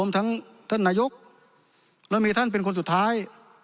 ท่านเป็นคนสุดท้าย